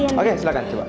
oke silakan coba